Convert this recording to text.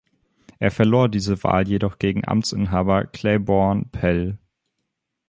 Er verlor diese Wahl jedoch gegen Amtsinhaber Claiborne Pell.